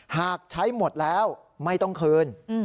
หากใช้หมดแล้วไม่ต้องคืน